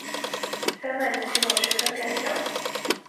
山脉的气候十分干燥。